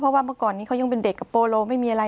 เพราะว่าเมื่อก่อนนี้เขายังเป็นเด็กกับโปโลไม่มีอะไร